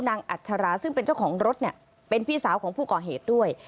อัชราซึ่งเป็นเจ้าของรถเนี่ยเป็นพี่สาวของผู้ก่อเหตุด้วย